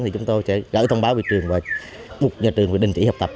thì chúng tôi sẽ gửi thông báo về trường và bục nhà trường về đình chỉ học tập